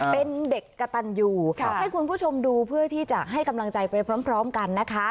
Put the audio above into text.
เป็นเด็กกระตันยูให้คุณผู้ชมดูเพื่อที่จะให้กำลังใจไปพร้อมกันนะคะ